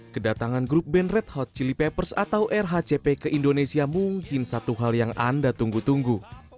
kedatangan grup band red hot chili papers atau rhcp ke indonesia mungkin satu hal yang anda tunggu tunggu